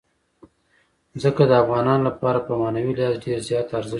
ځمکه د افغانانو لپاره په معنوي لحاظ ډېر زیات ارزښت لري.